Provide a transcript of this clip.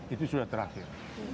itu sudah terakhir